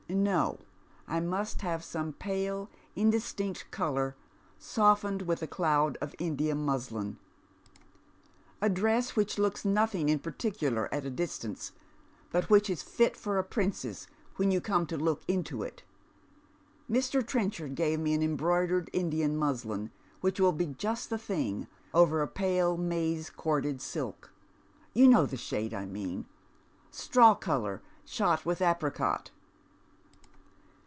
No, I must have some pale indistinct colour softened with a cloud of India muslin. A dress ■which looks nothing particular at a distance, but which is ht for a princess when you come to look into it. i\Ir. Trenchard gave me an embroidered Indian musUn, which will be just the tiling, »ver a pale maize corded silk, — ^you know the shade I mean, etraw colour shot with apricot."